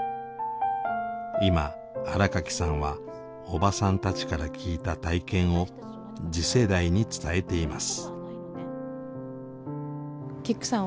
今新垣さんはおばさんたちから聞いた体験を次世代に伝えています。